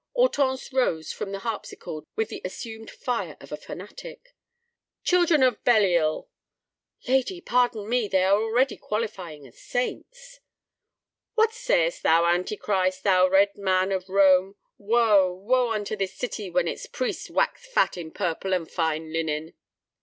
Hortense rose from the harpsichord with the assumed fire of a fanatic. "Children of Belial!" "Lady, pardon me, they are already qualifying as saints." "What sayest thou, Antichrist, thou Red Man of Rome? Woe, woe unto this city when its priests wax fat in purple and fine linen!"